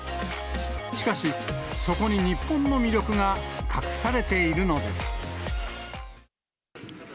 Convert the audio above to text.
しかし、そこに日本の魅力が隠されているのです。